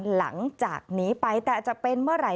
หลังจากนี้ไปแต่จะเป็นเมื่อไหร่